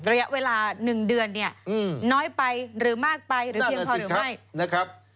ระยะเวลา๑เดือนเนี่ยน้อยไปหรือมากไปหรือเพียงพอหรือไม่นะครับ